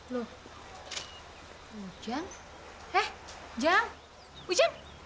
loh ujang eh ujang ujang eh